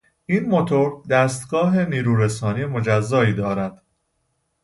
این موتور دستگاه نیرو رسانی مجزایی دارد.